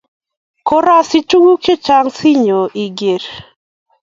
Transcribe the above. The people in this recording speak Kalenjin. Korasich tukuk che chang si nyon iker